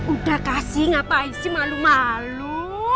udah kasih ngapain sih malu malu